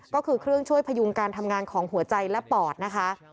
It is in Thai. ก็คือเครื่องช่วยพยุงการทำงานของหัวใจและปอดนะคะ